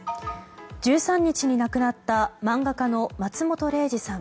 １３日に亡くなった漫画家の松本零士さん。